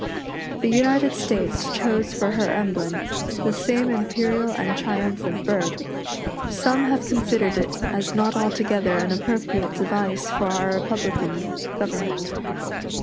The United States chose for her emblem the same imperial and triumphant bird. Some have considered it as not altogether an appropriate device for our republican government.